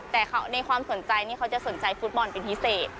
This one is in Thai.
แต่ในความสนใจนี่เขาจะสนใจฟุตบอลเป็นพิเศษ